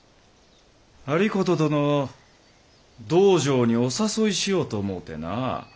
有功殿を道場にお誘いしようと思うてな。